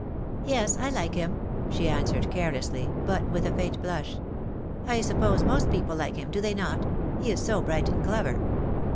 "Yes, I like him," she answered, carelessly, but with a faint blush. "I suppose most people like him, do they not? He is so bright and clever."